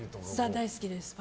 大好きです。